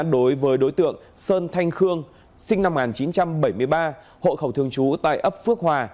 đối với đối tượng sơn thanh khương sinh năm một nghìn chín trăm bảy mươi ba hộ khẩu thường trú tại ấp phước hòa